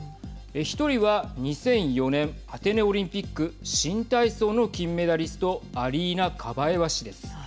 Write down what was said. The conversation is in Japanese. １人は２００４年アテネオリンピック新体操の金メダリストアリーナ・カバエワ氏です。